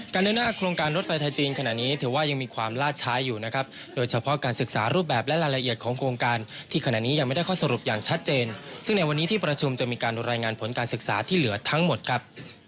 เดินหน้าโครงการรถไฟไทยจีนขณะนี้ถือว่ายังมีความลาดช้าอยู่นะครับโดยเฉพาะการศึกษารูปแบบและรายละเอียดของโครงการที่ขณะนี้ยังไม่ได้ข้อสรุปอย่างชัดเจนซึ่งในวันนี้ที่ประชุมจะมีการรายงานผลการศึกษาที่เหลือทั้งหมดครับ